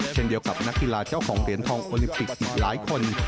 เช่นเดียวกับนักกีฬาเจ้าของเหรียญทองโอลิมปิกอีกหลายคน